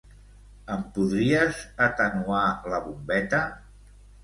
Em podries atenuar la bombeta?